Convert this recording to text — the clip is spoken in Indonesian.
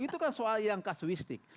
itu kan soal yang kasuistik